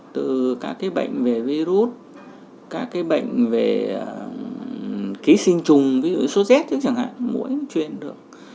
từ các bệnh về virus các bệnh về ký sinh trùng ví dụ như suốt z chẳng hạn mũi truyền được